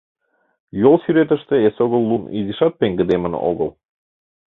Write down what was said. Йол сӱретыште эсогыл лум изишат пеҥгыдемын огыл.